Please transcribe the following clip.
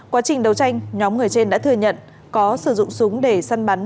quá trình đấu tranh nhóm người trên đã thừa nhận có sử dụng súng để săn bắn